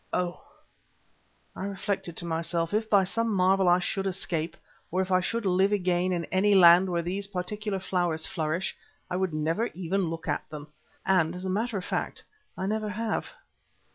Oh! I reflected to myself, if by some marvel I should escape, or if I should live again in any land where these particular flowers flourish, I would never even look at them. And as a matter of fact I never have.